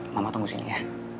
mama tunggu sini ya